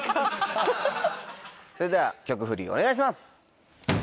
それでは曲振りお願いします。